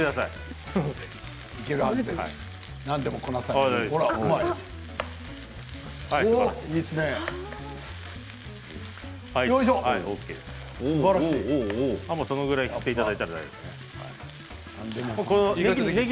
もうそのぐらい振っていただいたら大丈夫ですね。